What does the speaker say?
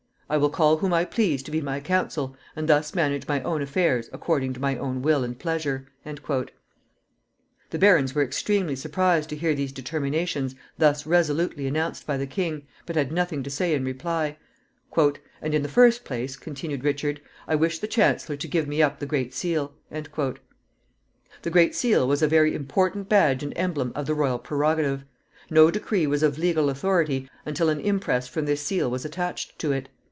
I will call whom I please to be my counsel, and thus manage my own affairs according to my own will and pleasure." The barons were extremely surprised to hear these determinations thus resolutely announced by the king, but had nothing to say in reply. "And in the first place," continued Richard, "I wish the chancellor to give me up the great seal." The great seal was a very important badge and emblem of the royal prerogative. No decree was of legal authority until an impress from this seal was attached to it.